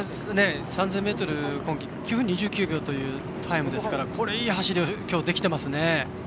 ３０００ｍ今季９分２９秒というタイムですから、いい走りをきょうはできてますね。